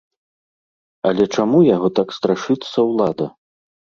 Але чаму яго так страшыцца ўлада?